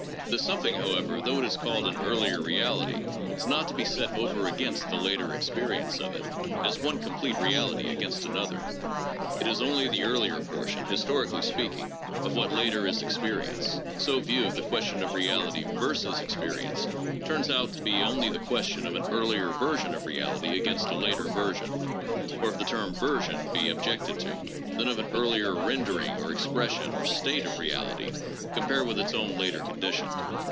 This something, however, though it is called an " earlier reality," is not to be set over against the " later experience " of it, as one complete reality against another. " It is only the earlier portion, historically speaking, of what later is experience. So viewed, the question of reality versus experi ence turns out to be only the question of an earlier version of reality against a later version, — or, if the term ' version ' be ob jected to, then, of an earlier rendering or expression or state of reality compared with its own later condition.